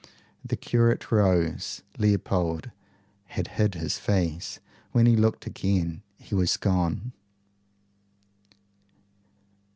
The curate rose. Leopold had hid his face. When he looked again he was gone.